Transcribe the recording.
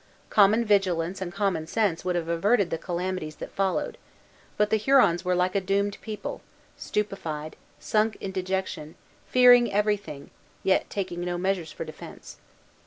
Common vigilance and common sense would have averted the calamities that followed; but the Hurons were like a doomed people, stupefied, sunk in dejection, fearing everything, yet taking no measures for defence.